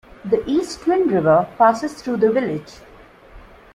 The East Twin River passes through the village.